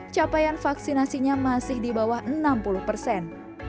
capaian vaksinasinya masih di bawah enam puluh persen